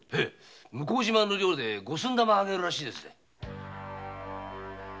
向島の寮で五寸玉を上げるらしいです。